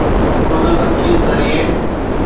خود تنقيد ذريعي